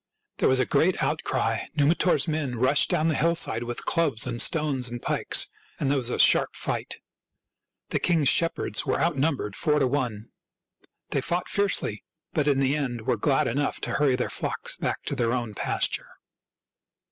There was a great outcry. Numitor's men rushed down the hill side with clubs and stones and pikes, and there was a sharp fight. The king's shepherds were out numbered four to one. They fought fiercely, but in the end were glad enough to hurry their flocks back to their own pasture.